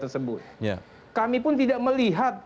tersebut kami pun tidak melihat